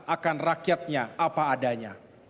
akan rakyatnya apa adanya